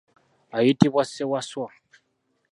Ayitibwa Ssewaswa.